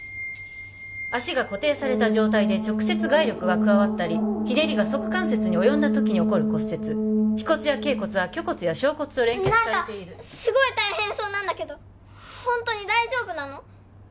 足が固定された状態で直接外力が加わったりひねりが足関節に及んだときに起こる骨折腓骨や脛骨は距骨や踵骨と連結されているなんかすごい大変そうなんだけどホントに大丈夫なの？